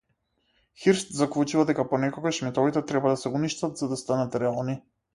Хирст заклучува дека понекогаш митовите треба да се уништат за да станат реални.